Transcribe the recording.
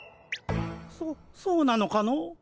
そそうなのかの？